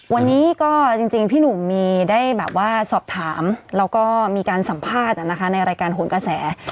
วันนี้พี่หนุ่มจริงได้เรียนซอบถามแล้วก็ที่สัมภาษณ์ในรายการโหลกระแส